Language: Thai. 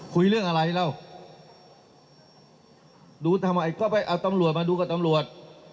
คุยเรื่องอะไรแล้วดูทำไมก็ไปเอาตำรวจมาดูกับตำรวจ